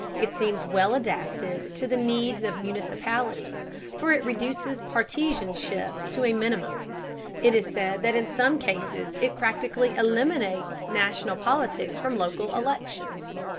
It seems well adapted to the needs of municipalities, for it reduces partisanship to a minimum. It is said that in some cases it practically eliminates national politics from local elections.